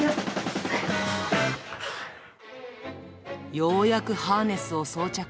ようやくハーネスを装着。